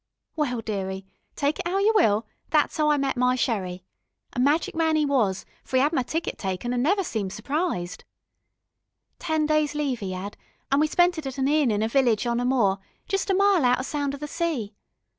"Well, dearie, take it 'ow you will, thet's 'ow I met my Sherrie. A magic man 'e was, for 'e 'ad my ticket taken, an' never seemed surprised. Ten days leave 'e 'ad, an' we spent it at an inn in a village on a moor, jest a mile out o' sound of the sea.